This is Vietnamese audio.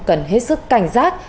cần hết sức cảnh giác